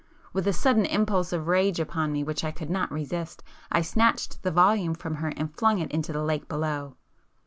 With a sudden impulse of rage upon me which I could not resist, I snatched the volume from her and flung it into the lake below.